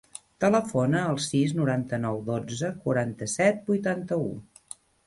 Telefona al sis, noranta-nou, dotze, quaranta-set, vuitanta-u.